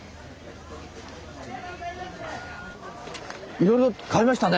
いろいろ買いましたね。